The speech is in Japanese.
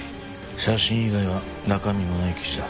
写真以外は中身のない記事だ。